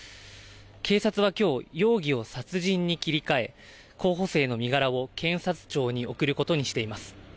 警察はきょう、容疑を殺人に切り替え、候補生の身柄を検察庁に送ることにしています。